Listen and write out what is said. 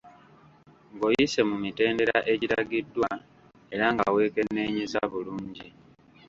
Ng’oyise mu mitenderera egiragiddwa era nga wekenneenyezza bulungi.